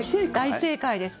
大正解です。